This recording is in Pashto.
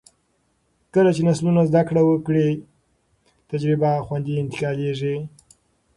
کله چې نسلونه زده کړه وکړي، تجربه خوندي انتقالېږي.